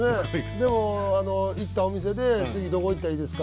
でも行ったお店で次どこ行ったらいいですか？